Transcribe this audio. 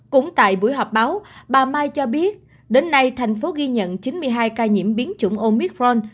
cũng tại buổi họp báo bà mai cho biết đến nay thành phố ghi nhận chín mươi hai ca nhiễm biến chủng omitforn